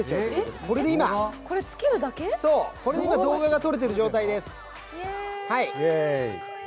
これで今動画がとれている状態です。